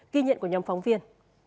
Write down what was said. kỳ nhận của nhóm phóng viên